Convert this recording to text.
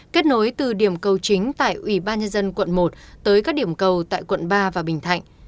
kết nối từ điểm cầu chính tại ủy ban nhân dân quận một tới các điểm cầu tại quận ba và bình thạnh